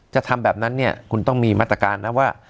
จะทำแบบนั้นเนี่ยคุณต้องมีมาตรการนะว่า